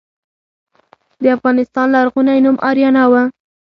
د افغانستان لرغونی نوم اریانا و